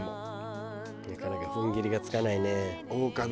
なかなか踏ん切りがつかないね。